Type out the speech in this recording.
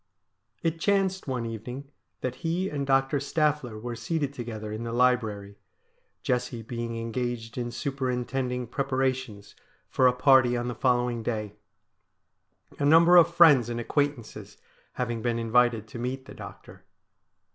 It chanced one evening that he and Doctor Staffler were seated together in the library, Jessie being engaged in superintending preparations for a party on the following day — a number of friends and acquaintances having been invited to meet the doctor.